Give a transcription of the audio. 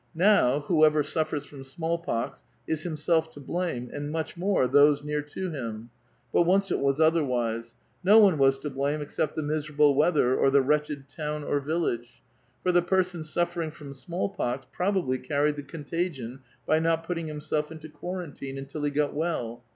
Now, whoever suffers from small pox, is "^*^8elf to blame, and much more, those near to him ; but ^^Cie it was otherwise : no one was to blame except the mis ^^'^ble weather or the wretched town or village ; for the per f^^l suffering from small pox probably carried the contagion ^ not putting himself into quarantine, until he got well.